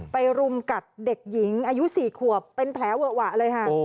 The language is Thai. รุมกัดเด็กหญิงอายุ๔ขวบเป็นแผลเวอะหวะเลยค่ะ